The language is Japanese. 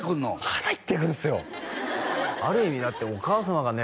まだ言ってくるんすよある意味だってお母様がね